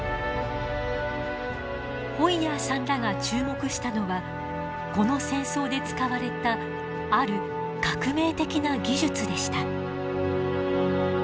ホイヤーさんらが注目したのはこの戦争で使われたある革命的な技術でした。